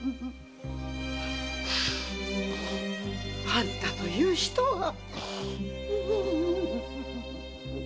あんたという人は。